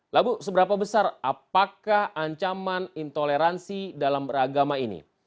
lah bu seberapa besar apakah ancaman intoleransi dalam agama ini